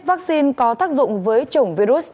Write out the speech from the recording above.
vaccine có tác dụng với chủng virus